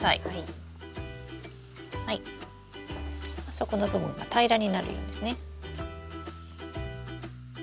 底の部分が平らになるようにですね。